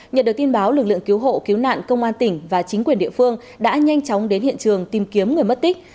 nhận được tin báo lực lượng cứu hộ cứu nạn công an tỉnh và chính quyền địa phương đã nhanh chóng đến hiện trường tìm kiếm người mất tích